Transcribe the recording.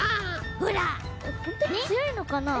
ほんとうにつよいのかな？